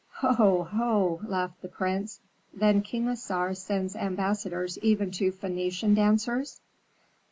"Ho! ho!" laughed the prince. "Then King Assar sends ambassadors even to Phœnician dancers?"